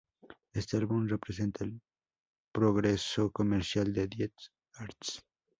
Este álbum representa el progreso comercial de Die Ärzte.